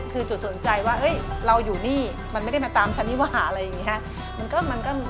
คือจุดสนใจว่าเราอยู่นี่มันไม่ได้มาตามฉันนี่ว่าอะไรอย่างนี้ครับ